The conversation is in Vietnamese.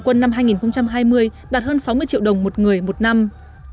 quân năm hai nghìn hai mươi đạt hơn sáu mươi triệu đồng một người một năm